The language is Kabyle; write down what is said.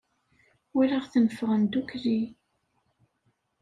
Walaɣ-ten ffɣen ddukkli.